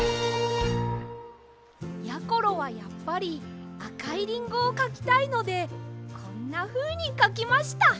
やころはやっぱりあかいリンゴをかきたいのでこんなふうにかきました！